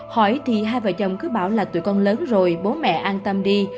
hỏi thì hai vợ chồng cứ bảo là tuổi con lớn rồi bố mẹ an tâm đi